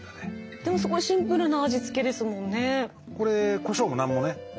でもすごいシンプルな味付けですもんね。